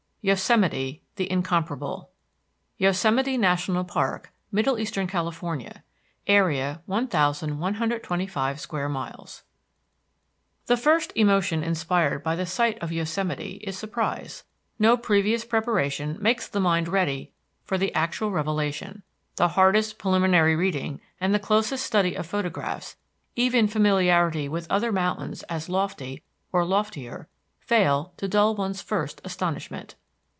II YOSEMITE, THE INCOMPARABLE YOSEMITE NATIONAL PARK, MIDDLE EASTERN CALIFORNIA. AREA, 1,125 SQUARE MILES The first emotion inspired by the sight of Yosemite is surprise. No previous preparation makes the mind ready for the actual revelation. The hardest preliminary reading and the closest study of photographs, even familiarity with other mountains as lofty, or loftier, fail to dull one's first astonishment.